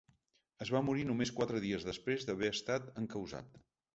Es va morir només quatre dies després d’haver estat encausat.